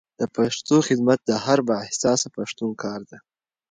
د پښتو خدمت د هر با احساسه پښتون کار دی.